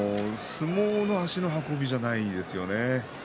相撲の足の運びではないですよね。